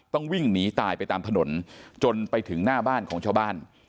ต้องวิ่งหนีตายไปตามถนนจนไปถึงหน้าบ้านของชาวบ้าน